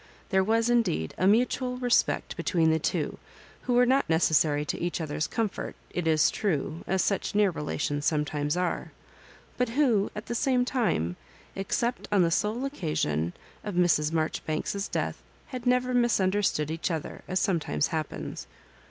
There was, indeed, a mutual respect between the two, who were not necessary to each other's comfort, it is true, as such near relations sometimes are ; but who, at the same time, except on the sole occasion of Mrs. Marjoribanks's death, had never misunder stood each other, as sometimes happens.